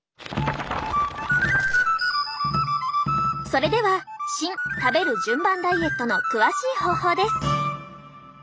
それではシン食べる順番ダイエットの詳しい方法です。